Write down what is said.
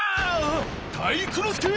体育ノ介！